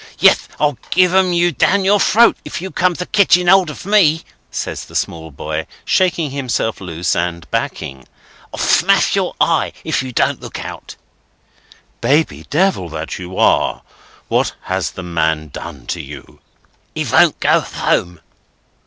"Yes, I'll give 'em you down your throat, if you come a ketching hold of me," says the small boy, shaking himself loose, and backing. "I'll smash your eye, if you don't look out!" "Baby Devil that you are, what has the man done to you?" "He won't go home."